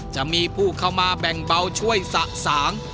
จะมีผู้เข้ามาแบ่งเบาช่วยสะสาง